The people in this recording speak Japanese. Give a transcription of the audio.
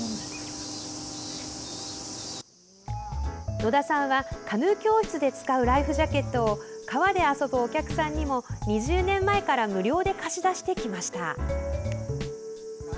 野田さんは、カヌー教室で使うライフジャケットを川で遊ぶお客さんにも２０年前から無料で貸し出してきました。